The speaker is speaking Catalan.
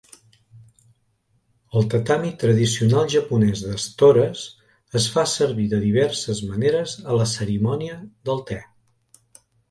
El tatami tradicional japonès d'estores es fa servir de diverses maneres a la cerimònia del té.